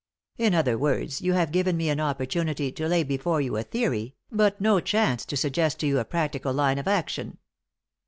In other words, you have given me an opportunity to lay before you a theory, but no chance to suggest to you a practical line of action."